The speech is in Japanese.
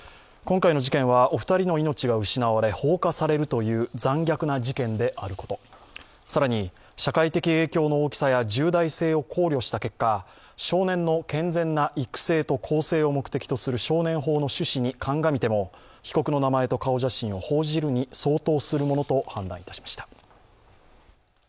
今回の事件はお二人の命が奪われ放火されるという残虐な事件であること、更に、社会的影響の大きさや重大性を考慮した結果少年の健全な育成と更生を目的とする少年法の趣旨に鑑みても、被告の名前と顔写真を報じるに相当するものと判断しました。